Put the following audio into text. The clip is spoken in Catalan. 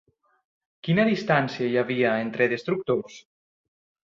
Quina distancia hi havia entre destructors?